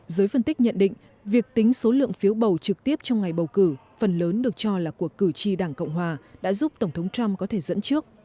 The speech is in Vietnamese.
giới phân tích nhận định việc tính số lượng phiếu bầu trực tiếp trong ngày bầu cử phần lớn được cho là của cử tri đảng cộng hòa đã giúp tổng thống trump có thể dẫn trước